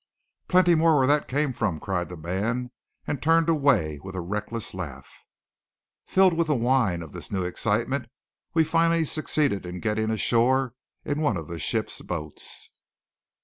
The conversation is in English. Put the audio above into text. "Plenty more where that came from!" cried the man; and turned away with a reckless laugh. Filled with the wine of this new excitement we finally succeeded in getting ashore in one of the ship's boats.